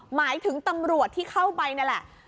หมายถึงตำรวจที่เข้าไปนั่นแหละ